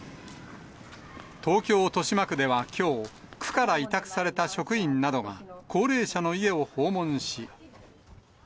東京・豊島区ではきょう、区から委託された職員などが、高齢者の家を訪問し。